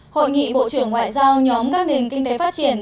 hội nghị bộ trưởng ngoại giao nhóm các nền kinh tế phát triển